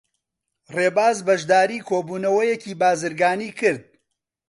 ڕێباز بەشداریی کۆبوونەوەیەکی بازرگانیی کرد.